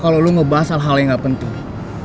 kalau lo ngebahas hal hal yang gak penting